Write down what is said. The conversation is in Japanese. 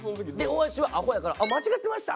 大橋はアホやから「間違ってました！」